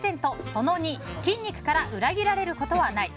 その２、筋肉から裏切られることはない。